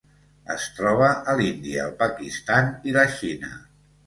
Es troba a l'Índia, el Pakistan i la Xina.